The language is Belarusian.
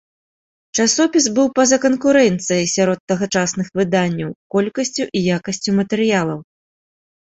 Часопіс быў па-за канкурэнцыяй, сярод тагачасных выданняў, колькасцю і якасцю матэрыялаў.